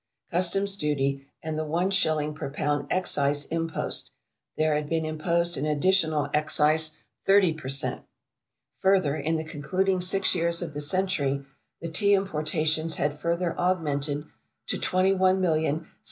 Customs' duty and the one shilling per pound Excise impost, there had been imposed an additional Excise 30 per cent. Further, in the concluding six years of the century, the Tea importations had further augmented to 21,706,718 lbs.